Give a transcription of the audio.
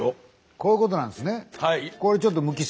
こういうことなんすね。